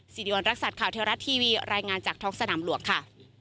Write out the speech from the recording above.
สิริวัณรักษัตริย์ข่าวเทวรัฐทีวีรายงานจากท้องสนามหลวงค่ะ